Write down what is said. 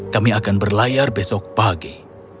kami akan berlayar besok pagi